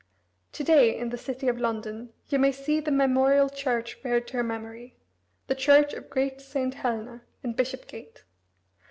To day in the city of London you may see the memorial church reared to her memory the Church of Great St. Helena, in Bishopgate.